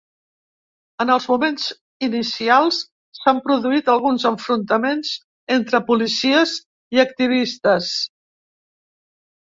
En els moments inicials s’han produït alguns enfrontaments entre policies i activistes.